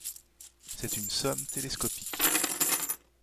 C'est une somme téléscopique.